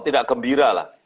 tidak gembira lah